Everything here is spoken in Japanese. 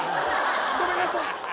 ごめんなさい。